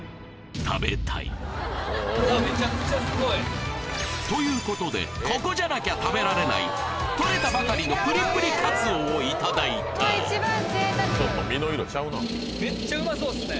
めちゃくちゃすごいということでここじゃなきゃ食べられないとれたばかりのプリプリカツオをいただいためっちゃうまそうっすね